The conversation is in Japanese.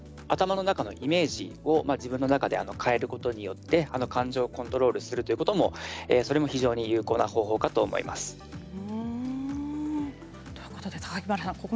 頭の中のイメージを自分の中で変えることによって感情をコントロールするということもそれも非常に有効な方法か榊原さん